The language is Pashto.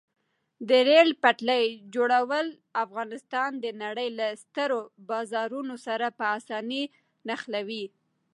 د ریل پټلۍ جوړول افغانستان د نړۍ له سترو بازارونو سره په اسانۍ نښلوي.